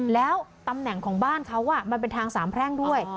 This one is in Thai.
แล้วตำแหน่งของบ้านเขามันเป็นทางสามแพร่งด้วย